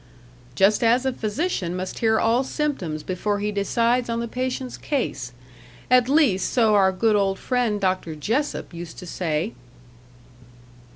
"Just as a physician must hear all symptoms before he decides on the patient's case. At least, so our good old friend Doctor Jessop used to say."